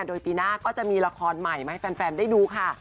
โดยปีหน้าก็จะมีละครใหม่มาให้แฟนได้ดูค่ะ